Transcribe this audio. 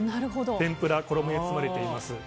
天ぷらは衣に包まれています。